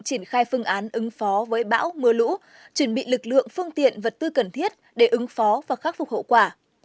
triển khai phương án ứng phó với bão mưa lũ chuẩn bị lực lượng phương tiện vật tư cần thiết để ứng phó và khắc phục hậu quả